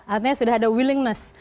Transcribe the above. artinya sudah ada willingness